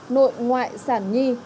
nội ngoại sản nhi